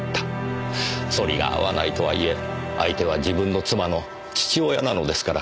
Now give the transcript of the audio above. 反りが合わないとはいえ相手は自分の妻の父親なのですから。